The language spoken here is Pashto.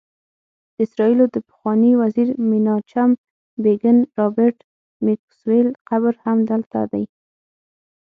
د اسرائیلو د پخواني وزیر میناچم بیګین، رابرټ میکسویل قبر هم دلته دی.